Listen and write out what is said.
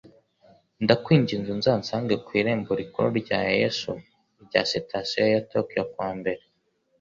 Ndakwinginze uzansange ku irembo rikuru rya Yaesu rya Sitasiyo ya Tokiyo ku wa mbere